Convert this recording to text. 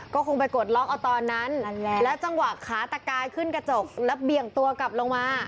ก็คงไปกดล็อกเอาตอนนั้นแล้วจังหวะขาตะกายขึ้นกระจกแล้วเบี่ยงตัวกลับลงมา